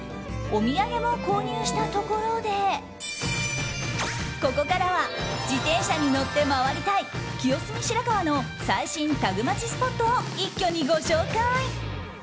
お土産も購入したところでここからは自転車に乗って回りたい清澄白河の最新タグマチスポットを一挙にご紹介！